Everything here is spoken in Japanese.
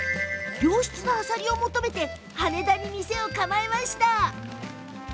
良質なアサリを求めて羽田に店を構えました。